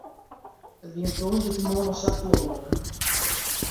It wie in tongersdeitemoarn as safolle oare.